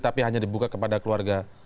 tapi hanya dibuka kepada keluarga